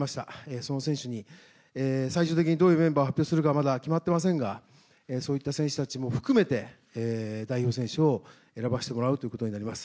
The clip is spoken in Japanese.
その選手に最終的にどういうメンバーを発表するかはまだ決まっていませんがそういう選手たちも含めて代表選手を選ばせてもらうということになります。